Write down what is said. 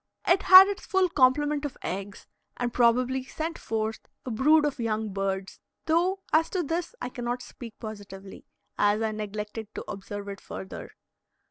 It had its full complement of eggs, and probably sent forth a brood of young birds, though as to this I cannot speak positively, as I neglected to observe it further.